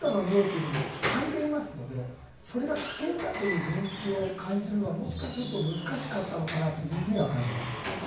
あと、練炭のにおいというのも書いていますので、それが危険だという認識を感じるのは、もしかすると難しかったのかなというふうに感じます。